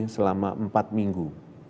selama empat minggu